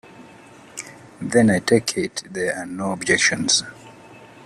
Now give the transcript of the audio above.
Then I take it there are no objections.